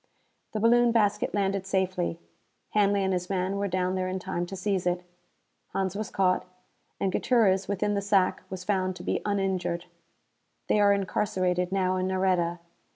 The balloon basket landed safely. Hanley and his men were down there in time to seize it. Hans was caught; and Gutierrez, within the sack, was found to be uninjured. They are incarcerated now in Nareda.